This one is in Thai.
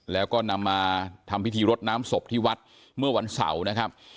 แล้วก็นำมาทำพิธีรดน้ำศพที่วัดเมื่อวันเสาร์นะครับ